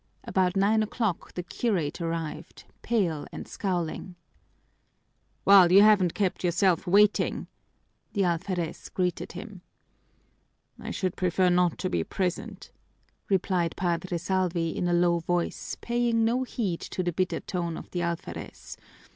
About nine o'clock the curate arrived, pale and scowling. "Well, you haven't kept yourself waiting!" the alferez greeted him. "I should prefer not to be present," replied Padre Salvi in a low voice, paying no heed to the bitter tone of the alferez.